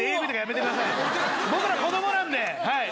僕ら子供なのではい。